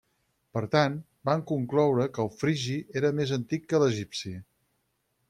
Per tant, van concloure que el frigi era més antic que l'egipci.